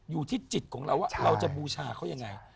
อยู่ที่จิตของเราว่าเราจะบูชาเขายังไง